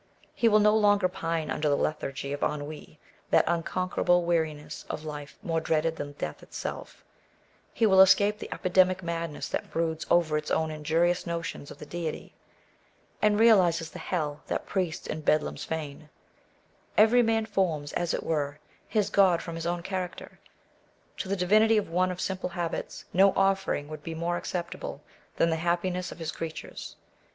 He will no longer pine under the ^ lethargy of ennui^ that unconquerable weariness of life, more dreaded than death itselfj He will escape the epidemic madness that broods over its own injurious notions of the Deity, and " realizes the hell that priests and beldams feign." Every man forms, as it were, his god from his own character; to the divinity of one of simple habits, no offering wouM be more acceptable than the happiness of his creatures.